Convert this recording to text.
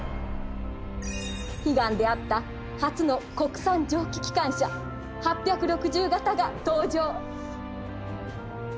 悲願であった初の国産蒸気機関車８６０形が登場。